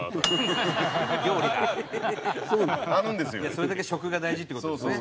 それだけ食が大事って事ですね。